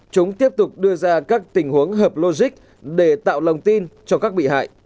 chúng tiếp tục đưa ra các tình huống hợp logic để tạo lòng tin cho các bị hại